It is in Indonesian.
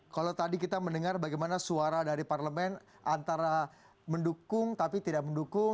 kalau tadi kita mendengar bagaimana suara dari parlemen antara mendukung tapi tidak mendukung